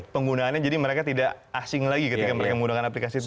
penggunaannya jadi mereka tidak asing lagi ketika mereka menggunakan aplikasi itu